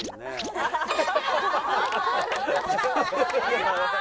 ハハハハ！